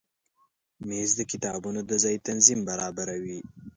مېز د کتابونو د ځای تنظیم برابروي.